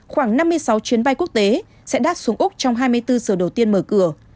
khoảng năm mươi sáu chuyến bay quốc tế sẽ đáp xuống úc trong hai mươi bốn giờ đầu tiên mở cửa